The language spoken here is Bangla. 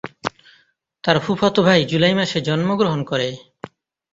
তার ফুফাতো ভাই জুলাই মাসে জন্মগ্রহণ করে।